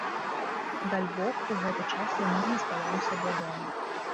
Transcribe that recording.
Дальбог, у гэты час я мірна спала ў сябе дома.